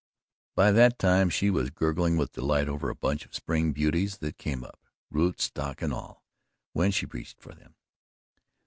By that time she was gurgling with delight over a bunch of spring beauties that came up, root, stalk and all, when she reached for them.